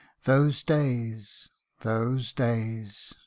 those days those days